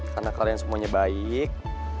karena kalian semuanya baik